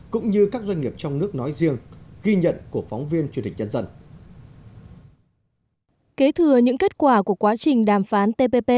cũng như các doanh nghiệp trong nước nói riêng ghi nhận của phóng viên truyền hình nhân dân